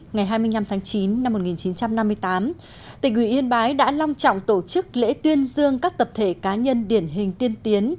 ngày hai mươi năm tháng chín năm một nghìn chín trăm năm mươi tám tỉnh ủy yên bái đã long trọng tổ chức lễ tuyên dương các tập thể cá nhân điển hình tiên tiến